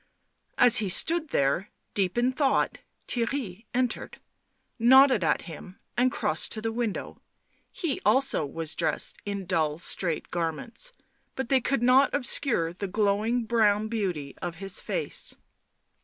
As he stood there, deep in thought, Theirry entered, nodded at him and crossed to the window; he also was dressed in dull straight garments, but they could not obscure the glowing brown beauty of his face.